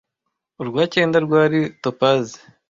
urwa cyenda rwari topazi,